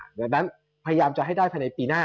ดังนั้นพยายามจะให้ได้ภายในปีหน้า